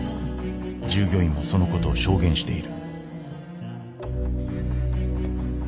従業員もそのことを証言している。